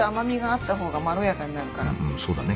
うんそうだね。